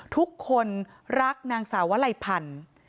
ทุกคนรักนางสาววลัยพันธุ์